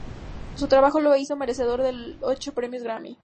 Su trabajo lo hizo merecedor de ocho premios Grammy.